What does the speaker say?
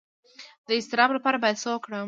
د اضطراب لپاره باید څه وکړم؟